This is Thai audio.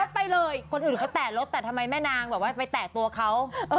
ไปเลยคนอื่นเขาแตะรถแต่ทำไมแม่นางแบบว่าไปแตะตัวเขา